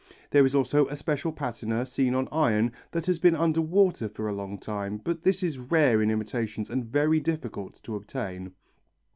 There is also a special patina seen on iron that has been under water for a long time, but this is rare in imitations and very difficult to obtain.